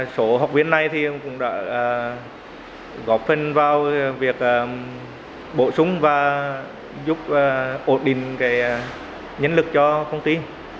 số học viên này cũng đã góp phần vào việc bổ sung và giúp ổn định nhân lực cho công ty